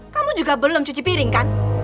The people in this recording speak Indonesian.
kamu juga belum cuci piring kan